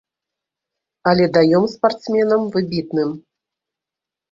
Але даём спартсменам выбітным.